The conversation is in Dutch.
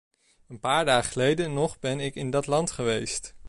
Een paar dagen geleden nog ben ik in dat land geweest.